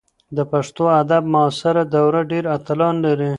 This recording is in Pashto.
د پښتو ادب معاصره دوره ډېر اتلان لري.